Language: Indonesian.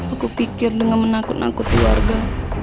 aku pikir dengan menakut nakut keluarga